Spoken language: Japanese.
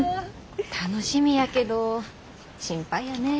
楽しみやけど心配やねえ。